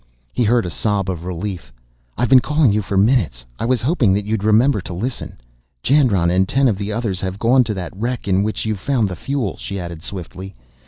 He heard a sob of relief. "I've been calling you for minutes! I was hoping that you'd remember to listen! "Jandron and ten of the others have gone to that wreck in which you found the fuel," she added swiftly.